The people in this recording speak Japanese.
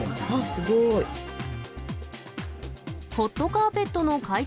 すごーい。